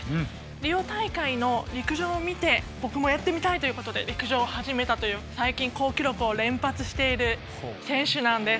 リオ大会の陸上を見て僕もやってみたいということで陸上を始めたという最近好記録を連発している選手なんです。